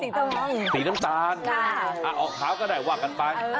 สีทองอีกครับใช่ค่ะออกขาวก็ได้วากันไป